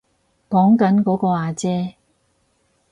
講緊嗰個阿姐